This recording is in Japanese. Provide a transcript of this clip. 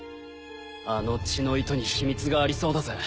あの血の糸に秘密がありそうだぜ。